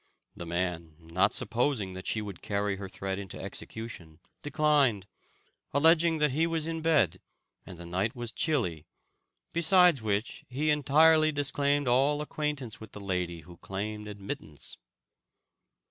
The man, not supposing that she would carry her threat into execution, declined, alleging that he was in bed, and the night was chilly; besides which he entirely disclaimed all acquaintance with the lady who claimed admittance.